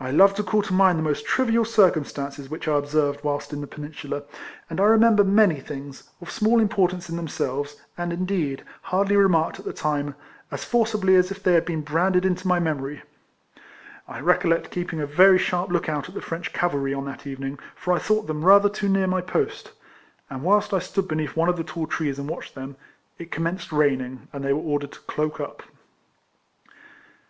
I love to call to mind the most trivial 90 KECOLLECTIONS OF circumstances which I observed whilst in the Peninsular, and I remember many things, of small importance in themselves, and, in deed, hardly remarked at the time, as forci bly as if they had been branded into my memory. I recollect keeping a very sharp look out at the French cavalry on that evening, for I thought them rather too near my post ; and whilst I stood beneath one of the tall trees and watched them, it com menced raining, and they were ordered to cloak up.